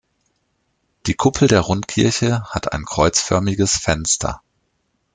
Die Kuppel der Rundkirche hat ein kreuzförmiges Fenster.